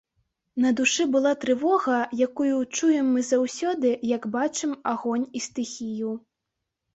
На душы была трывога, якую чуем мы заўсёды, як бачым агонь і стыхію.